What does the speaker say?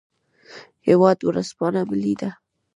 هیواد ورځپاڼه ملي ده